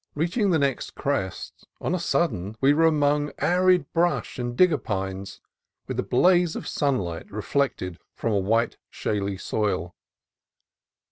Reaching the next crest, on a sudden we were among arid brush and digger pines, with a blaze of sunlight reflected from a white, shaly soil.